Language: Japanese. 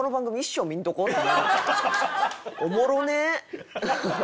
おもろねえ！